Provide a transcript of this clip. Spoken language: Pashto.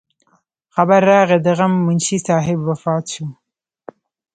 خبر راغے د غم منشي صاحب وفات شو